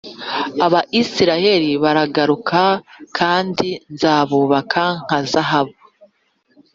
aba Isirayeli bagaruka kandi nzabubaka nka zahabu